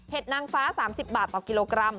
นางฟ้า๓๐บาทต่อกิโลกรัม